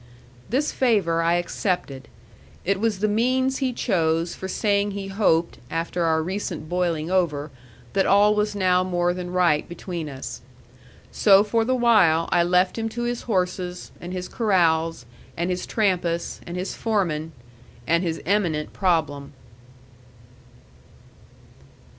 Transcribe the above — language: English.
This favor I accepted; it was the means he chose for saying he hoped, after our recent boiling over, that all was now more than right between us. So for the while I left him to his horses, and his corrals, and his Trampas, and his foreman, and his imminent problem.